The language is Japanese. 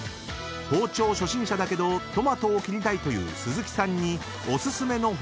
［包丁初心者だけどトマトを切りたいという鈴木さんにお薦めの包丁とは？］